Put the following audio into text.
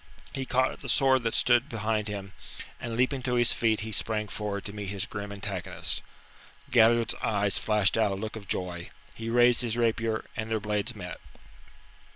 He caught at the sword that stood behind him, and leaping to his feet he sprang forward to meet his grim antagonist. Galliard's eyes flashed out a look of joy, he raised his rapier, and their blades met.